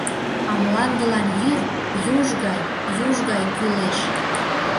А мландылан йӱр юж гай, юж гай кӱлеш!